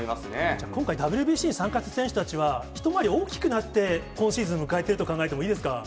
じゃあ今回、ＷＢＣに参加した選手たちは一回り大きくなって、今シーズンを迎えてると考えてもいいですか。